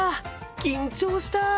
緊張した。